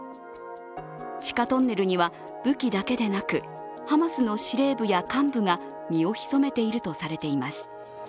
地下トンネルには武器だけでなく、ハマスの司令部や幹部が身を潜めているとされています。